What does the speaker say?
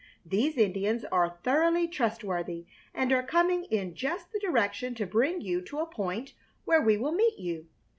These Indians are thoroughly trustworthy and are coming in just the direction to bring you to a point where we will meet you.